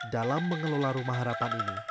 dalam mengelola rumah harapan ini